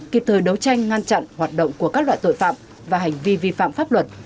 kịp thời đấu tranh ngăn chặn hoạt động của các loại tội phạm và hành vi vi phạm pháp luật